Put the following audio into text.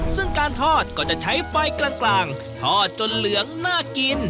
ซึ่งการทอดก็จะใช้ไฟกลางทอดจนเหลืองน่ากิน